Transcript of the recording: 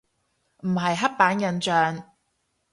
唔係刻板印象